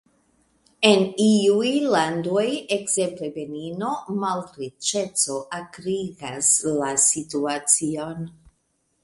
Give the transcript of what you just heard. En iuj landoj – ekzemple Benino – malriĉeco akrigas la situacion.